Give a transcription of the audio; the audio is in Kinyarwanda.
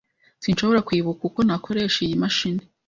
Sinshobora kwibuka uko nakoresha iyi mashini.